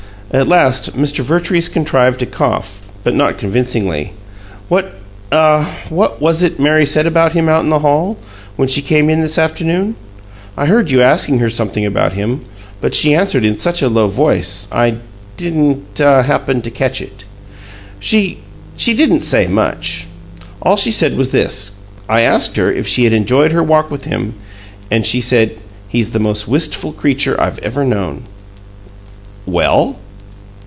At last Mr. Vertrees contrived to cough, but not convincingly. "What ah what was it Mary said about him out in the hall, when she came in this afternoon? I heard you asking her something about him, but she answered in such a low voice I didn't ah happen to catch it." "She she didn't say much. All she said was this: I asked her if she had enjoyed her walk with him, and she said, 'He's the most wistful creature I've ever known.'" "Well?"